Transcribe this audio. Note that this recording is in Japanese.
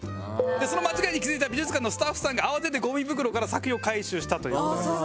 その間違いに気づいた美術館のスタッフさんが慌ててゴミ袋から作品を回収したという事なんですけれども。